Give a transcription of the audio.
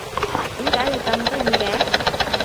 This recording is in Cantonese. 點解你咁得意嘅？